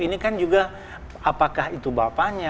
ini kan juga apakah itu bapaknya